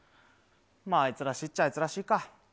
まあ、あいつらしいっちゃあいつらしいか。